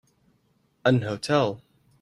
An hotel.